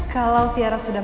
kalau tiara sudah